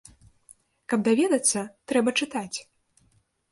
Каб даведацца, трэба чытаць.